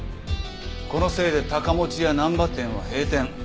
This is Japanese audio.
このせいで高持屋難波店は閉店。